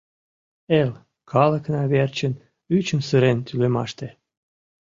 Эл, калыкна верчын ӱчым сырен тӱлымаште